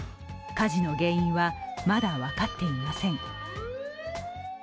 火事の原因はまだ分かっていません。